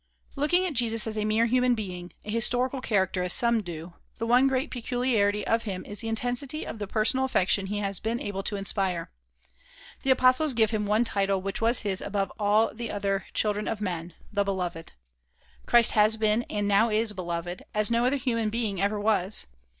Looking at Jesus as a mere human being, a historical character, as some do, the one great peculiarity of him is the intensity of the personal affection he has been able to inspire. The Apostles give him one title which was his above all the other children of men, "THE BELOVED." Christ has been and now is beloved, as no other human being ever was.